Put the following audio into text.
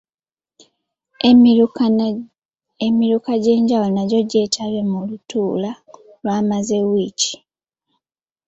Emiruka egy'enjawulo nagyo gyetabye mu lutuula olwamaze wiiki.